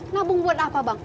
nabung buat apa bang